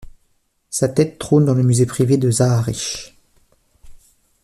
Sa tête trône dans le musée privé de Zahariche.